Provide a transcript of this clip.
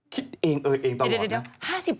คิดเองเออเองตลอดเนี่ย